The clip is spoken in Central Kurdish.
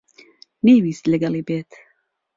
نەیویست لەگەڵی بێت.